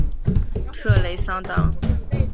特雷桑当。